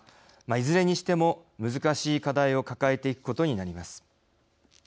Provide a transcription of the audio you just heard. いずれにしても難しい課題を抱えていくことになります。